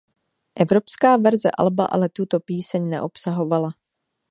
Evropská verze alba ale tuto píseň neobsahovala.